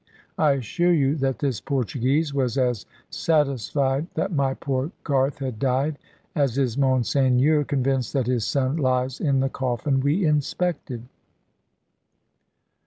I assure you that this Portuguese was as satisfied that my poor Garth had died, as is Monseigneur convinced that his son lies in the coffin we inspected."